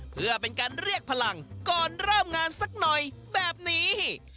เพื่อเป็นการเรียกพลังก่อนเริ่มงานสักหน่อยแบบนี้